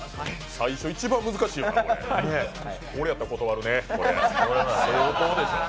最初、一番難しいよな俺やったら断るね、これ、相当でしょう。